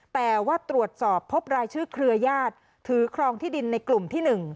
แต่ว่าตรวจสอบพบรายชื่อเครือญาติถือครองที่ดินในกลุ่มที่๑